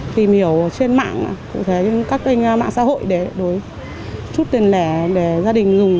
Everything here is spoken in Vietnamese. tìm hiểu trên mạng các kênh mạng xã hội để đổi chút tiền lẻ để gia đình dùng